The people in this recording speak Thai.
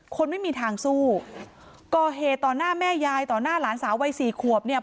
คนไม่มีทางสู้ก่อเหตุต่อหน้าแม่ยายต่อหน้าหลานสาววัยสี่ขวบเนี่ย